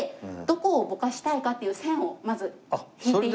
どこをぼかしたいかっていう線をまず引いて頂きたいんですね。